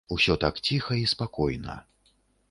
Усё так ціха і спакойна.